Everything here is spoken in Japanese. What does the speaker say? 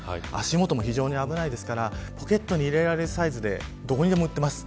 足元も非常に危ないですからポケットに入れられるサイズでどこでも売っています。